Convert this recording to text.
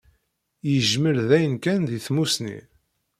Yejmel dayen kan deg tmusni.